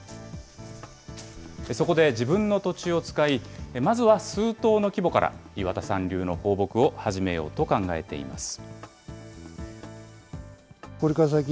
そこで、自分の土地を使い、まずは数頭の規模から、岩田さん流の放牧を始めようと考えています。